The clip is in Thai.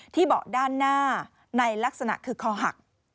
เบาะด้านหน้าในลักษณะคือคอหัก